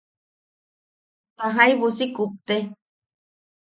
Ta jaibu si kupte.